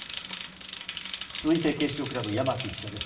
続いて、警視庁クラブ山木記者です。